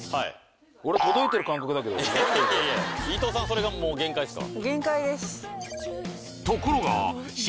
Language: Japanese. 俺いやいや伊藤さんそれがもう限界ですか？